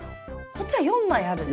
こっちは４枚ある？